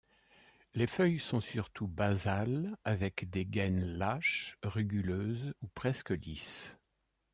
Les feuilles sont surtout basales avec des gaines lâches, ruguleuses ou presque lisses.